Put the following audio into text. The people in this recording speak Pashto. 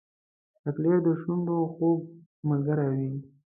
چاکلېټ د شونډو خوږ ملګری وي.